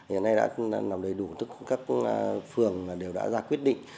hiện nay đã nằm đầy đủ tức các phường đều đã ra quyết định